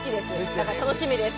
だから楽しみです